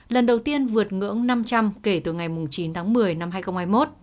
lần đầu tiên vượt ngưỡng năm trăm linh kể từ ngày chín tháng một mươi năm hai nghìn hai mươi một